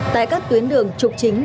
tại các tuyến đường trục chính